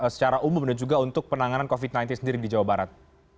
secara umum dan juga untuk penanganan covid sembilan belas sendiri di jawa barat